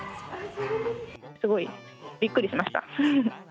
すごいびっくりしました。